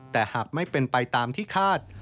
แต่หากไม่เป็นไปตามที่คาด